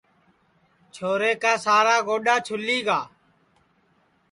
چھورا کا سارا گوڈؔا چُھولی گا